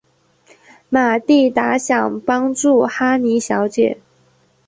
玛蒂达想帮助哈妮小姐。